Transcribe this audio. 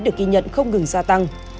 được ghi nhận không ngừng gia tăng